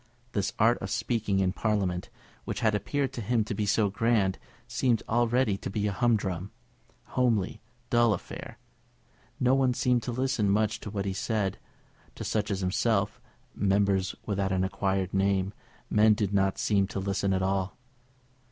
This art of speaking in Parliament, which had appeared to him to be so grand, seemed already to be a humdrum, homely, dull affair. No one seemed to listen much to what was said. To such as himself, Members without an acquired name, men did not seem to listen at all.